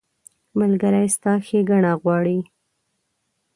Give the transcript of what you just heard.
ملګری ستا ښېګڼه غواړي.